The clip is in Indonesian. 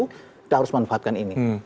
kita harus manfaatkan ini